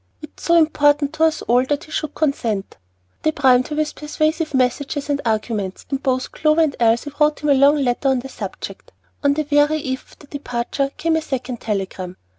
It is so important to us all that he should consent." They primed her with persuasive messages and arguments, and both Clover and Elsie wrote him a long letter on the subject. On the very eve of the departure came a second telegram.